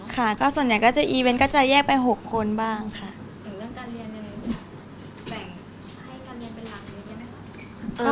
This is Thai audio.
ค่ะก็ส่วนใหญ่ก็จะอีเว้นต์ก็จะแยกไป๖คนบ้างค่ะ